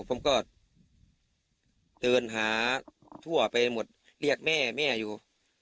ผมก็เดินหาทั่วไปหมดเรียกแม่แม่อยู่